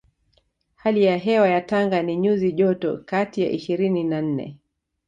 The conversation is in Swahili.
Hali ya hewa ya Tanga ni nyuzi joto kati ya ishirini na nne